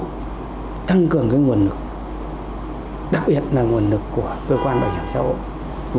đặc biệt là tăng cường nguồn lực đặc biệt là nguồn lực của cơ quan bảo hiểm xã hội